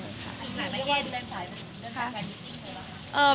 มีหลายแบรนด์ได้ไหมค่ะ